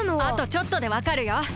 あとちょっとでわかるよ。